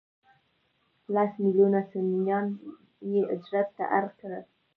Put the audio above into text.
لس ملیونه سنیان یې هجرت ته اړ کړل.